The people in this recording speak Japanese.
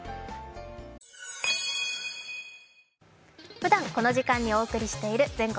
ふだんこの時間にお送りしている「全国！